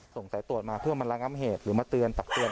ส่งสายตรวจมาเพื่อมาระงับเหตุหรือมาเตือนตักเตือน